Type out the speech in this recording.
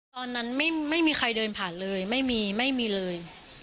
ตอนนั้นไม่มีใครเดินผ่านเลยไม่มีไม่มีเลย